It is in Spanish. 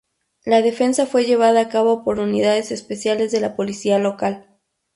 La defensa fue llevada a cabo por unidades especiales de la policía local.